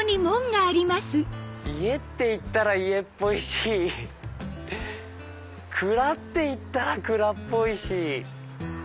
家っていったら家っぽいし蔵っていったら蔵っぽいし。